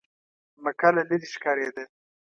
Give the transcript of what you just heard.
مکه له لرې ښکارېده.